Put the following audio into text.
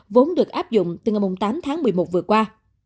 vốn được áp dụng từ ngày tám tháng một mươi một vừa qua